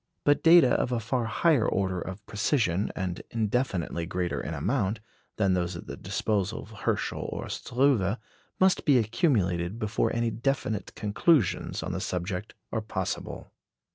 But data of a far higher order of precision, and indefinitely greater in amount, than those at the disposal of Herschel or Struve must be accumulated before any definite conclusions on the subject are possible.